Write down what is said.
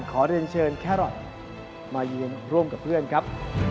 ขอเรียนเชิญแครอทมาเยือนร่วมกับเพื่อนครับ